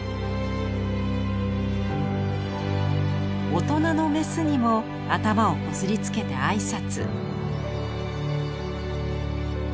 大人のメスにも頭をこすりつけて挨拶。